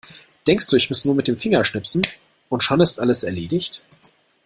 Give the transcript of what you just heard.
Denkst du, ich muss nur mit dem Finger schnipsen und schon ist alles erledigt?